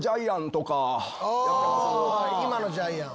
今のジャイアン。